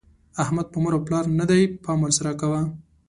احمد په مور او پلار نه دی؛ پام ور سره کوه.